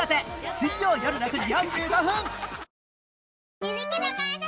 水曜よる６時４５分。